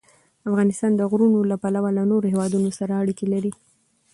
افغانستان د غرونه له پلوه له نورو هېوادونو سره اړیکې لري.